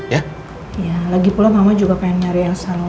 ya lagi pulang mama juga pengen nyari elsa no